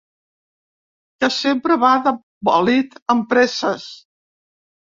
Que sempre va de bòlit, amb presses.